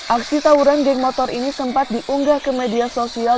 aksi tawuran geng motor ini sempat diunggah ke media sosial